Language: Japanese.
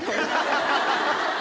ハハハハ！